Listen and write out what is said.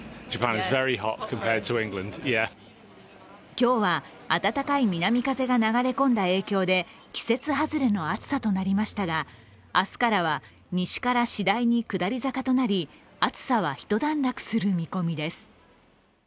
今日は温かい南風が流れ込んだ影響で季節外れの暑さとなりましたが明日からは西から次第に下り坂となり暑さは一段落する見込みです。